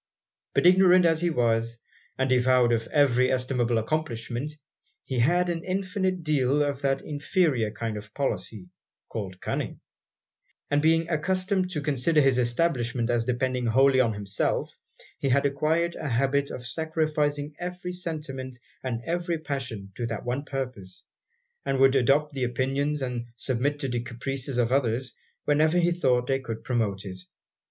But ignorant as he was, and devoid of every estimable accomplishment, he had an infinite deal of that inferior kind of policy called cunning; and being accustomed to consider his establishment as depending wholly on himself, he had acquired a habit of sacrificing every sentiment and every passion to that one purpose; and would adopt the opinions, and submit to the caprices of others, whenever he thought they could promote it.